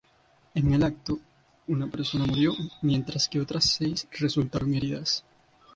En el acto, una persona murió mientras que otras seis resultaron heridas.